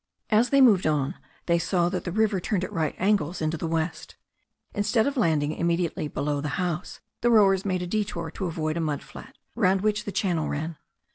As they moved on, they saw that the river turned at right angles into the west. Instead of landing immediately below the house the rowers made a detour to avoid a mud flat, round which the channel ran.